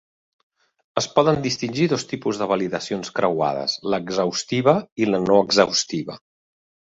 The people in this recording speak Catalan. Es poden distingir dos tipus de validacions creuades l'exhaustiva i la no exhaustiva.